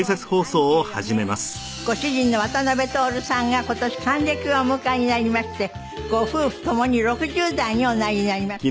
ご主人の渡辺徹さんが今年還暦をお迎えになりましてご夫婦共に６０代におなりになりました。